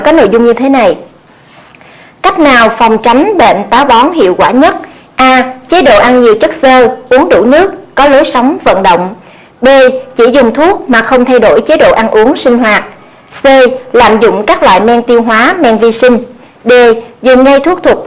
câu hỏi có nội dung như thế này